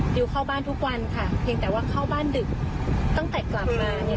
ดิวเข้าบ้านทุกวันค่ะเพียงแต่ว่าเข้าบ้านดึกตั้งแต่กลับมาเนี่ย